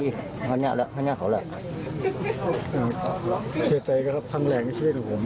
ศอศอศอศอศ